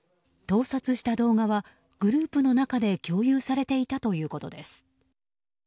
盗撮した動画はグループの中で共有されていたということです。